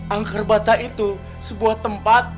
angkerbata itu sebuah tempat